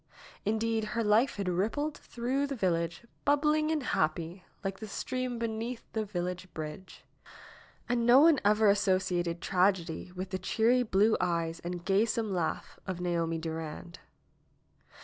Indeed, her life had rippled through the village, bubbling and happy, like the stream beneath the village bridge. And no one ever associated tragedy with the cheery blue eyes and gaysome laugh of Naomi Durand.